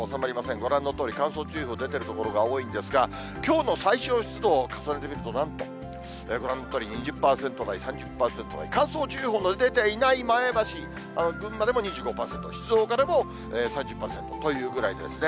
ご覧のとおり、乾燥注意報が出ている所が多いんですが、きょうの最小湿度を重ねてみると、なんと、ご覧のとおり、２０％台、３０％台、乾燥注意報の出ていない前橋、群馬でも２５％、静岡でも３０％というぐらいですね。